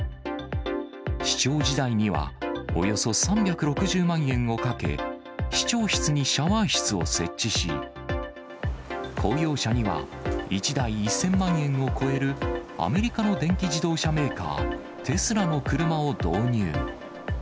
市長時代には、およそ３６０万円をかけ、市長室にシャワー室を設置し、公用車には、１台１０００万円を超えるアメリカの電気自動車メーカー、テスラの車を導入。